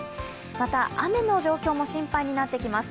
また、雨の状況も心配になってきます。